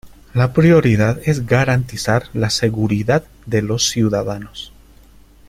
La prioridad es garantizar la seguridad de los ciudadanos.